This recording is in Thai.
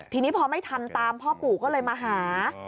ทีนี้พอไม่ทำตามพ่อปู่ก็เลยมาหา